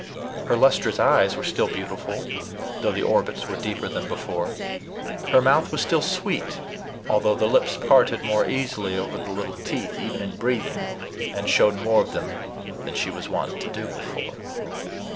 Her lustrous eyes were still beautiful, though the orbits were deeper than before. Her mouth was still sweet, although the lips parted more easily over the little teeth, even in breathing, and showed more of them than she was wont to do before.